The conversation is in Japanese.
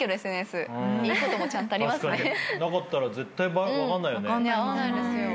なかったら絶対分かんないよね。